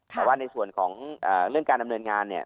แต่ว่าในส่วนของเรื่องการดำเนินงานเนี่ย